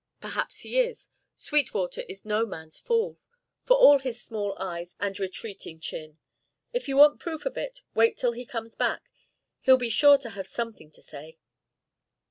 Perhaps he is. Sweetwater is no man's fool, for all his small eyes and retreating chin. If you want proof of it, wait till he comes back. He'll be sure to have something to say."